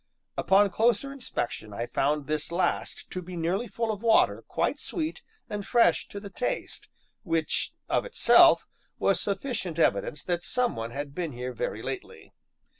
Upon closer inspection I found this last to be nearly full of water quite sweet and fresh to the taste, which, of itself, was sufficient evidence that some one had been here very lately.